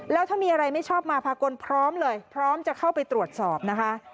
แล้วถ้ามีอะไรไม่ชอบมาพากลพร้อมเลยพร้อมจะเข้าไปตรวจสอบนะคะ